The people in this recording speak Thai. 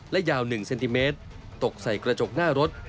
และยาว๑เซนติเมตรตกใส่กระจกหน้ารถ